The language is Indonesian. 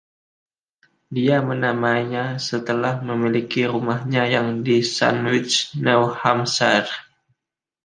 Dia menamainya setelah memiliki rumahnya yang di Sandwich, New Hampshire.